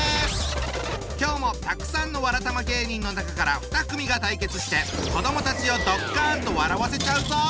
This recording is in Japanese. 今日もたくさんのわらたま芸人の中から２組が対決して子どもたちをドッカンと笑わせちゃうぞ！